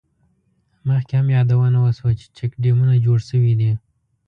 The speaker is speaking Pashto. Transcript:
مخکې هم یادونه وشوه، چې چیک ډیمونه جوړ شوي دي.